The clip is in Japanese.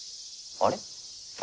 あれ！？